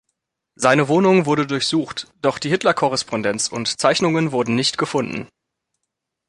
Seine Wohnung wurde durchsucht, doch die Hitler-Korrespondenz und Zeichnungen wurden nicht gefunden.